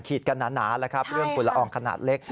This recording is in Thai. กันหนาแล้วครับเรื่องฝุ่นละอองขนาดเล็ก